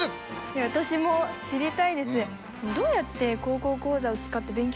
私も知りたいです。